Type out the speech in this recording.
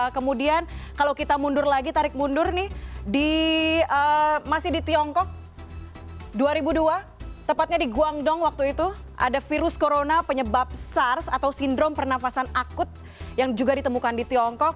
kemudian kalau kita mundur lagi tarik mundur nih masih di tiongkok dua ribu dua tepatnya di guangdong waktu itu ada virus corona penyebab sars atau sindrom pernafasan akut yang juga ditemukan di tiongkok